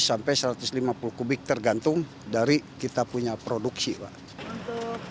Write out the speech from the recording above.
sampai satu ratus lima puluh kubik tergantung dari kita punya produksi pak